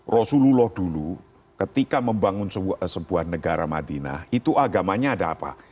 rasulullah dulu ketika membangun sebuah negara madinah itu agamanya ada apa